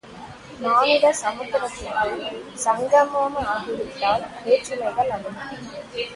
மானிட சமுத்திரத்துக்குள் சங்கமமாகி விட்டால் வேற்றுமைகள் அகலும்!